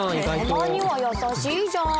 たまには優しいじゃん。